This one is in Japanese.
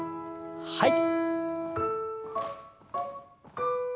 はい。